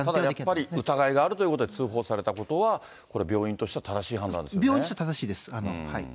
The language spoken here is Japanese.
やっぱり疑いがあるとして通報されたことは、これ、病院とし病院としては正しいです。